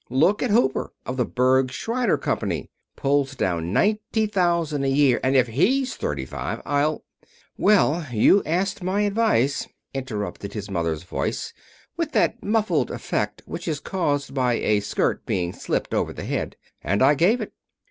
Look at Hopper, of the Berg, Shriner Company. Pulls down ninety thousand a year, and if he's thirty five I'll " "Well, you asked my advice," interrupted his mother's voice with that muffled effect which is caused by a skirt being slipped over the head, "and I gave it.